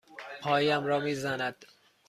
پایم را می زند.